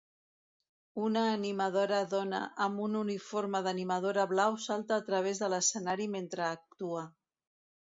Una animadora dona amb un uniforme d'animadora blau salta a través de l'escenari mentre actua.